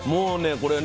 これね